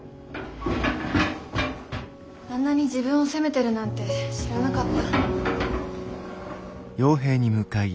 あんなに自分を責めてるなんて知らなかった。